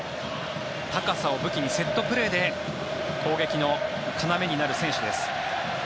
高さを武器にセットプレーで攻撃の要になる選手です。